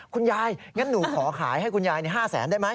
คุณยายงั้นน่ะหนูขอขายให้คุณยาย๕๐๐๐๐๐ได้ไหม